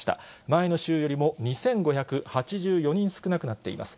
前の週よりも２５８４人少なくなっています。